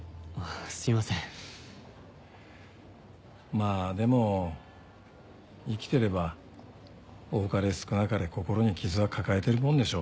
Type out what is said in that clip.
まあでも生きてれば多かれ少なかれ心に傷は抱えてるもんでしょ。